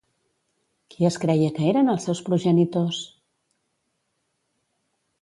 Qui es creia que eren els seus progenitors?